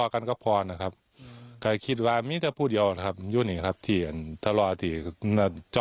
เขาไม่แต่ว่าเขาเป็นคนดีครับ